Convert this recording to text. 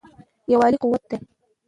یووالی قوت دی.